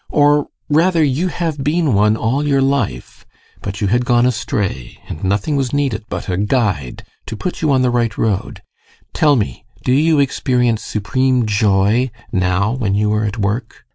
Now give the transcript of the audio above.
Or rather, you have been one all your life, but you had gone astray, and nothing was needed but a guide to put you on the right road Tell me, do you experience supreme joy now when you are at work?